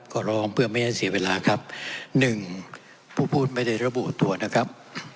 ก็ร้องเพื่อไม่ให้เสียเวลาครับหนึ่งผู้พูดไม่ได้ระบุตัวนะครับ